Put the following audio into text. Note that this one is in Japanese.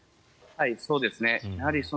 そうですね。